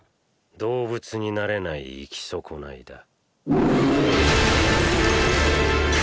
「動物」になれない生きそこないだ。